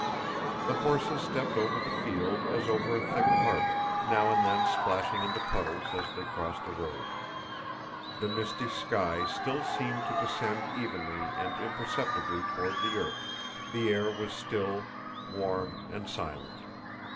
The horses stepped over the field as over a thick carpet, now and then splashing into puddles as they crossed a road. The misty sky still seemed to descend evenly and imperceptibly toward the earth, the air was still, warm, and silent.